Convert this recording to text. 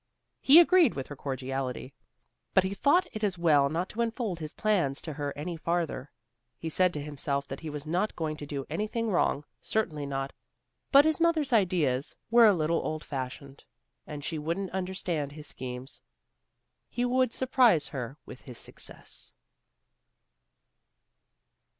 He agreed with her cordially, but he thought it as well not to unfold his plans to her any farther. He said to himself that he was not going to do anything wrong, certainly not; but his mother's ideas were a little old fashioned, and she wouldn't understand his schemes. He would surprise her with his success.